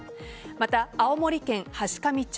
また、青森県階上町